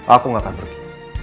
aku gak akan pergi